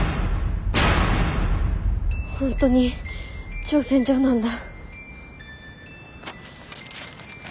本当に挑戦状なんだ。